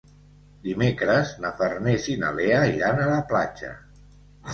Dimecres na Farners i na Lea iran a la platja.